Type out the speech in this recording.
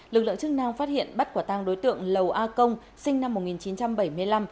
lực lượng chức năng phát hiện bắt quả tang đối tượng lầu a công sinh năm một nghìn chín trăm bảy mươi năm